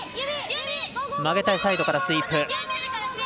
曲げたい、サイドからスイープ。